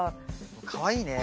かわいいね。